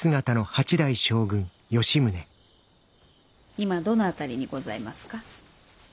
今どの辺りにございますか？